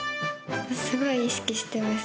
すごい意識してます。